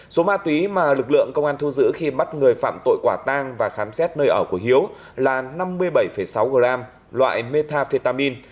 số ma túy mà lực lượng công an thu giữ khi bắt người phạm tội quả tang và khám xét nơi ở của hiếu là năm mươi bảy sáu gram loại metafetamin